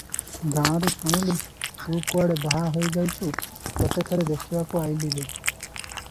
ଗାଁରୁ ଶୁଣିଲି, ତୁ କୁଆଡେ ବାହା ହୋଇ ଯାଉଛୁ, ତତେ ଥରେ ଦେଖିବାକୁ ଅଇଲି ରେ ।